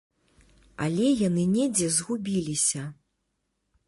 Але яны недзе згубіліся.